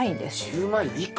１０枚以下。